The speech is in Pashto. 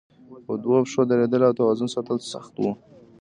په دوو پښو درېدل او توازن ساتل سخت وو.